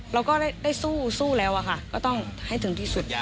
เราก็ได้สู้แล้วอะค่ะก็ต้องให้ถึงที่สุด